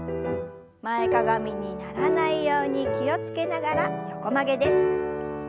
前かがみにならないように気を付けながら横曲げです。